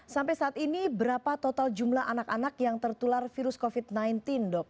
sampai saat ini berapa total jumlah anak anak yang tertular virus covid sembilan belas dok